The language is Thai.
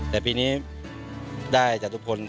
แต่ปีนี้ได้จัตรุพนธ์